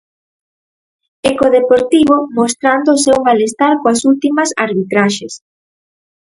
E co Deportivo mostrando o seu malestar coas últimas arbitraxes.